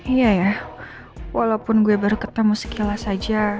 iya ya walaupun gue baru ketemu sekilas saja